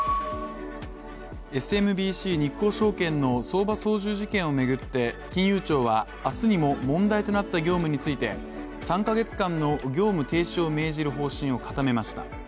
ＳＭＢＣ日興証券の相場操縦事件を巡って金融庁は明日にも問題となった業務について、３か月間の業務停止を命じる方針を固めました。